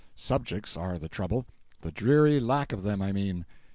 Subjects are the trouble—the dreary lack of them, I mean.